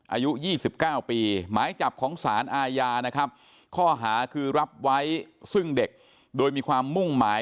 อายุ๒๙ปีหมายจับของสารอาญานะครับข้อหาคือรับไว้ซึ่งเด็กโดยมีความมุ่งหมาย